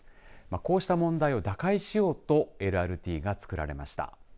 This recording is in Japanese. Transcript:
こうした問題を打開しようとＬＲＴが作られました。